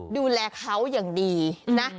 ดูแลเขาอย่างดีนะ